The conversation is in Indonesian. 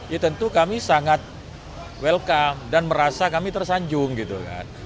ya tentu kami sangat welcome dan merasa kami tersanjung gitu kan